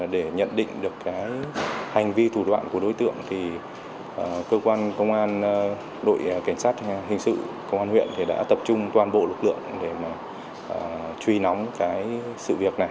để nhận định được cái hành vi thủ đoạn của đối tượng thì cơ quan công an đội cảnh sát hình sự công an huyện đã tập trung toàn bộ lực lượng để truy nóng cái sự việc này